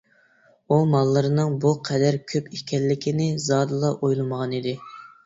ئۇ، ماللىرىنىڭ بۇ قەدەر كۆپ ئىكەنلىكىنى زادىلا ئويلىمىغانىدى.